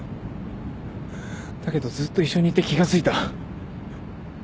だけどずっと一緒にいて気が付いた。